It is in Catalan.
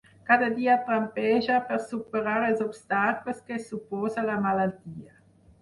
Cada dia trampeja per superar els obstacles que suposa la malaltia.